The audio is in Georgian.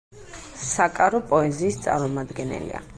საკარო პოეზიის წარმომადგენელია.